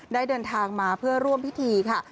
เดินทางมาเพื่อร่วมพิธีค่ะ